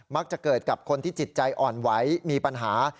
จะเกิดกับคนที่จิตใจอ่อนไหวมีปัญหา